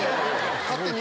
勝手に？